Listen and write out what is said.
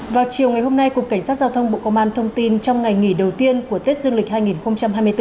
vào chiều ngày hôm nay cục cảnh sát giao thông bộ công an thông tin trong ngày nghỉ đầu tiên của tết dương lịch hai nghìn hai mươi bốn